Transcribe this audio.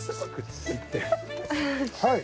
はい。